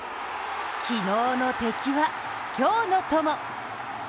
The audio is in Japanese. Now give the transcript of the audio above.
昨日の敵は、今日の友！